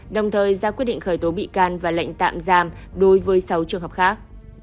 đồng thời ra quyết định khởi tố bị can và lệnh tạm giam đối với sáu trường hợp khác